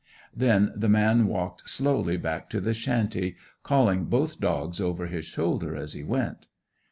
Then the man walked slowly back to the shanty, calling both dogs over his shoulder as he went.